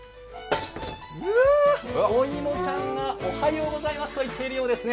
お芋ちゃんが、おはようございますと言っているようですね。